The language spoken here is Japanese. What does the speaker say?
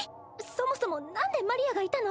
そもそも何でマリアがいたの？